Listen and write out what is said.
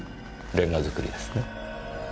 レンガ造りですね。